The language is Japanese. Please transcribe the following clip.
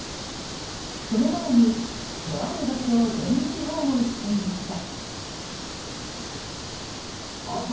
その前に、とある場所を電撃訪問していました。